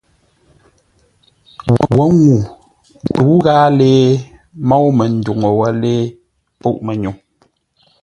Wǒ ŋuu tə́u ghâa lée môu Manduŋ wə̂ lée pûʼ mənyuŋ.